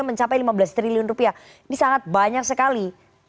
mencapai lima belas triliun rupiah ini sangat banyak sekali